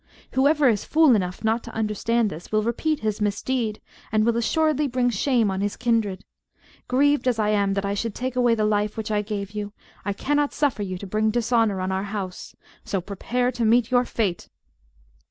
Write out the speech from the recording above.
Whoever is fool enough not to understand this will repeat his misdeed, and will assuredly bring shame on his kindred. Grieved as I am that I should take away the life which I gave you, I cannot suffer you to bring dishonour on our house; so prepare to meet your fate!"